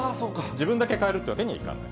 自分だけ変えるというわけにはいかない。